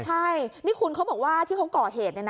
ใช่นี่คุณเขาบอกว่าที่เขาก่อเหตุ